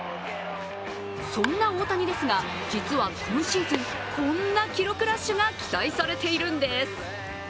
そんな大谷ですが、実は、今シーズンこんな記録ラッシュが期待されているんです。